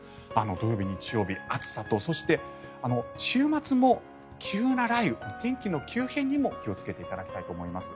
土曜日、日曜日、暑さとそして週末も急な雷雨天気の急変にも気をつけていただきたいと思います。